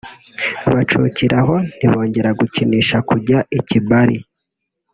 bacukira aho ntibongera gukinisha kujya mu Kibali